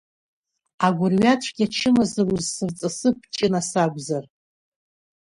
Агәырҩацәгьа чымазара узсырҵысып, Ҷына сакәзар!